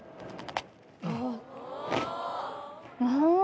ああ。